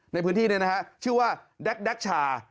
ในพื้นที่นี่นะฮะชื่อว่าแด๊กแด๊กชา